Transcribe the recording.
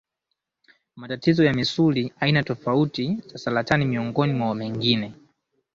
matatizo ya misuli aina tofauti za saratani miongoni mwa mengine